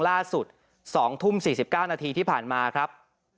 ๒ทุ่ม๔๙นาทีที่ผ่านมาครับ